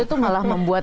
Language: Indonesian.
itu malah membuat